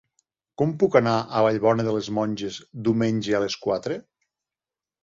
Com puc anar a Vallbona de les Monges diumenge a les quatre?